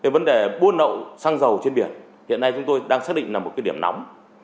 vấn đề buôn lậu xăng dầu trên biển hiện nay chúng tôi đang xác định là một điểm nóng